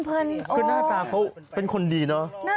คือหน้าตาเขาเป็นคนดีเนอะ